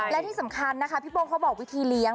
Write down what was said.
และที่สำคัญนะคะพี่โป้งเขาบอกวิธีเลี้ยง